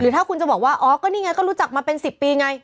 ถ้าคุณจะบอกว่าอ๋อก็นี่ไงก็รู้จักมาเป็น๑๐ปีไง